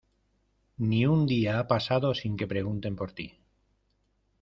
Ni un día ha pasado sin que pregunten por tí.